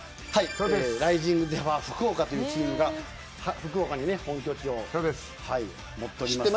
ライジングゼファー福岡というチームは福岡に本拠地を置いてます。